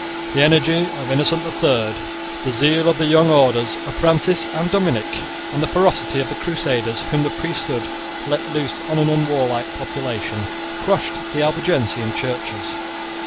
The energy of Innocent the Third, the zeal of the young orders of Francis and Dominic, and the ferocity of the Crusaders whom the priesthood let loose on an unwarlike population, crushed the Albigensian churches.